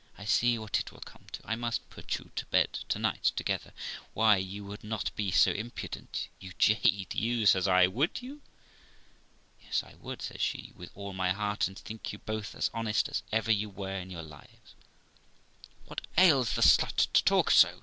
I see what it will come to; I must put you to bed to night together.' 'Why, you would not be so impudent, you jade, you', says I, 'would you?' 'Yes, I would', says she, 'with all my heart, and think you both as honest as ever you were in your lives,' 'What ails the slut to talk so?'